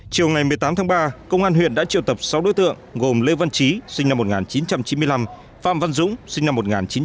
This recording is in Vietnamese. chiều ngày một mươi tám tháng ba công an huyện đã triệu tập sáu đối tượng gồm lê văn trí sinh năm một nghìn chín trăm chín mươi năm phạm văn dũng sinh năm một nghìn chín trăm tám mươi